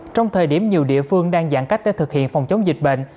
trong thời điểm nhiều địa phương đang giãn cách để thực hiện phòng chống dịch bệnh